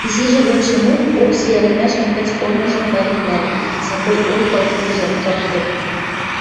Изижӹ годшенок Окси ӹлӹмӓшӹн пӹц корныжым пӓлен нӓлӹн, сакой ойхым ужын, тырхен.